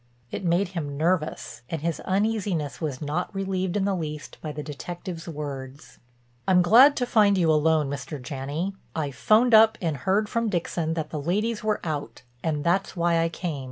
It made him nervous and his uneasiness was not relieved in the least by the detective's words. "I'm glad to find you alone, Mr. Janney. I 'phoned up and heard from Dixon that the ladies were out and that's why I came.